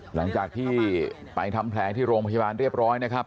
หลังจากที่ไปทำแผลที่โรงพยาบาลเรียบร้อยนะครับ